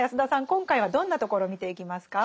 今回はどんなところを見ていきますか？